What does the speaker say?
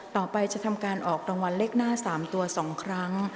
ต่อไปจะทำการออกรางวัลเลขหน้า๓ตัว๒ครั้ง